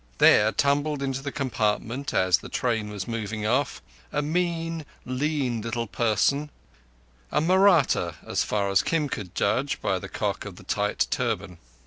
There tumbled into the compartment, as the train was moving off, a mean, lean little person—a Mahratta, so far as Kim could judge by the cock of the tight turban.